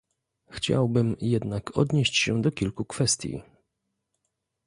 Chciałbym jednak odnieść się do kilku kwestii